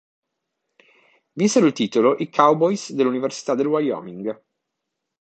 Vinsero il titolo i Cowboys dell'Università del Wyoming.